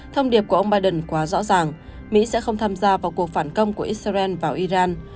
thông điệp của ông biden quá rõ ràng mỹ sẽ không tham gia vào cuộc phản công của israel vào iran